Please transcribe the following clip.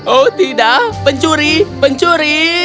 oh tidak pencuri pencuri